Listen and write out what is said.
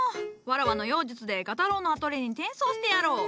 わらわの妖術で画太郎のアトリエに転送してやろう。